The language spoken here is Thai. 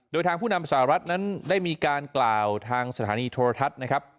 โดยทางผู้นำสหรัฐนั้นได้มีการกล่าวทางสถานีโทรทัศน์นะครับ